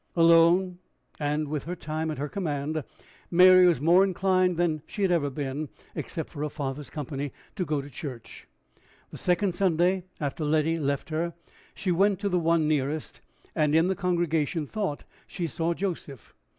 Alone, and with her time at her command, Mary was more inclined than she had ever been, except for her father's company, to go to church. The second Sunday after Letty left her, she went to the one nearest, and in the congregation thought she saw Joseph.